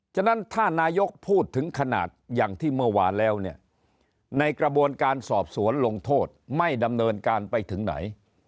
ฉะนั้นถ้านายกพูดถึงขนาดอย่างที่เมื่อวานแล้วเนี่ยในกระบวนการสอบสวนลงโทษไม่ดำเนินการไปถึงไหน